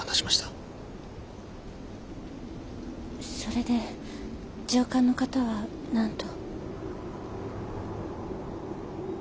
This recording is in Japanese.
それで上官の方は何と？